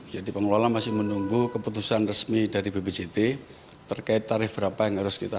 jadi pengelola masih menunggu keputusan resmi dari bpjt terkait tarif berapa yang harus kita